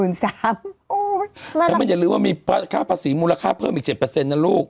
แล้วมันอย่าลืมว่ามีค่าภาษีมูลค่าเพิ่มอีก๗นะลูก